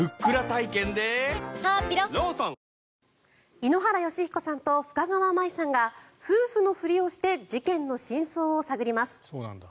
井ノ原快彦さんと深川麻衣さんが夫婦のふりをして事件の真相を探ります。